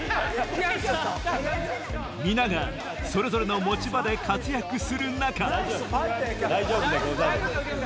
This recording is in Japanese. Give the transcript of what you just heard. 皆がそれぞれの持ち場で活躍する中大丈夫でござる。